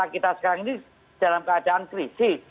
kita sekarang ini dalam keadaan krisis